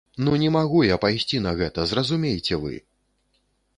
Ну не магу я пайсці на гэта, зразумейце вы!